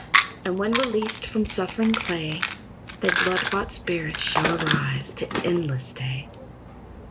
"And when released from suffering clay, Thy blood bought spirit shall arise To endless day.